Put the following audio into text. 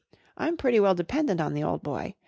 I'm pretty well dependent on the old boy.